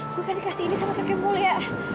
gue kan dikasih ini sama kakek mulia